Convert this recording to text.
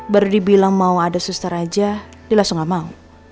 baru dibilang mau ada suster aja dia langsung gak mau